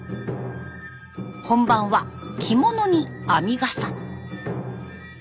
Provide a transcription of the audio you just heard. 本番は着物に編みがさ。